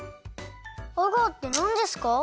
アガーってなんですか？